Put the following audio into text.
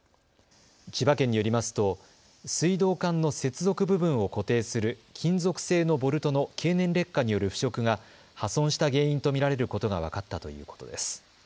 千葉県によりますと水道管の接続部分を固定する金属製のボルトの経年劣化による腐食が破損した原因と見られることが分かったということです。